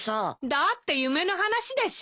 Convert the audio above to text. だって夢の話でしょう？